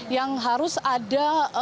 yang harus ada